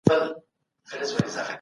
د بهرنیو پالیسي پلي کول تل مؤثر نه وي.